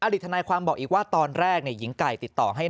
ทนายความบอกอีกว่าตอนแรกหญิงไก่ติดต่อให้